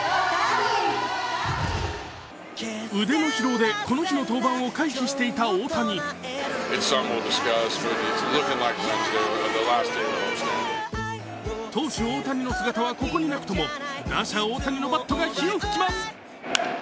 腕の疲労でこの日の登板を回避していた大谷投手・大谷の姿はここになくとも打者・大谷のバットが火を噴きます。